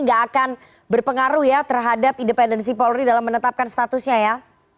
nggak akan berpengaruh ya terhadap independensi polri dalam menetapkan statusnya ya